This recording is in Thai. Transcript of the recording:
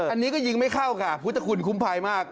อันนี้ก็ยิงไม่เข้าค่ะพุทธคุณคุ้มภัยมาก